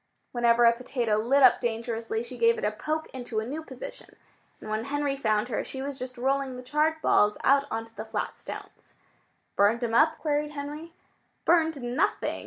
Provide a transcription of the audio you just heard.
Whenever a potato lit up dangerously she gave it a poke into a new position. And when Henry found her, she was just rolling the charred balls out onto the flat stones. "Burned 'em up?" queried Henry. "Burned, nothing!"